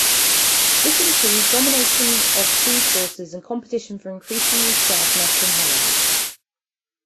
This includes domination of food sources and competition for increasingly scarce nesting hollows.